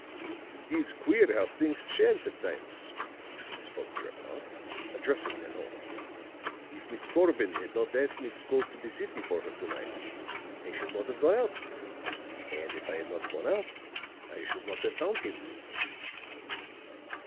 "It is queer how things chance at times," spoke Drevenoff, addressing Nanon. "If Miss Corbin had not asked me to go to the city for her to night, I should not have gone out; and if I had not gone out, I should not have found him."